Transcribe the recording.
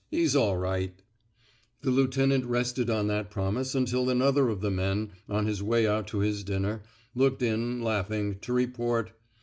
He's all right/' The lieutenant rested on that promise mitil another of the men, on his way out to his dinner, looked in, laughing, to report.